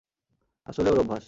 আসলে ওর অভ্যাস।